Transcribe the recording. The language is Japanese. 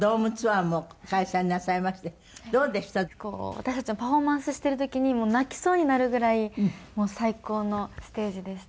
私たちもパフォーマンスしてる時にもう泣きそうになるぐらい最高のステージでした。